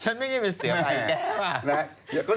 ฉันไม่ใช่เป็นเสือใบแกว่ะ